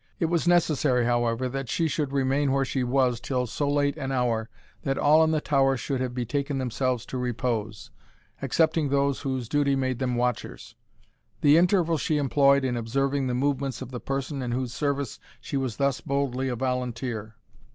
It was necessary, however, that she should remain where she was till so late an hour, that all in the tower should have betaken themselves to repose, excepting those whose duty made them watchers. The interval she employed in observing the movements of the person in whose service she was thus boldly a volunteer.